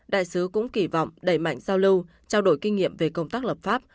đại sứ cũng kỳ vọng đẩy mạnh giao lưu trao đổi kinh nghiệm về công tác lập pháp